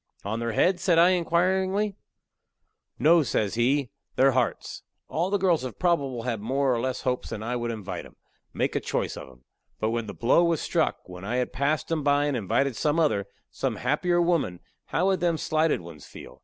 "On their heads?" says I, inquirin'ly. "No," says he, "their hearts. All the girls have probable had more or less hopes that I would invite 'em make a choice of 'em. But when the blow was struck, when I had passed 'em by and invited some other, some happier woman, how would them slighted ones feel?